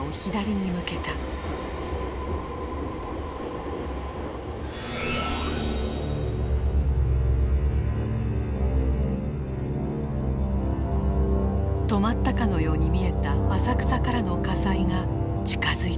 止まったかのように見えた浅草からの火災が近づいていた。